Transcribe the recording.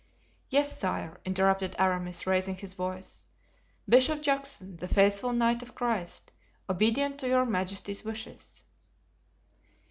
"Yes, sire," interrupted Aramis, raising his voice, "Bishop Juxon, the faithful knight of Christ, obedient to your majesty's wishes."